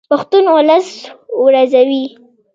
پښتون اولس و روزئ.